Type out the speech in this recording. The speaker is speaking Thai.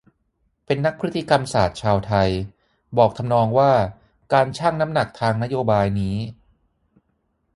เป็นนักพฤติกรรมศาสตร์ชาวไทย บอกทำนองว่า การชั่งน้ำหนักทางนโยบายนี้